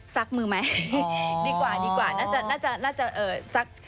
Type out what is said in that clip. ซักมือจริงละหนุ่นจะชอบสั้นตรงไหน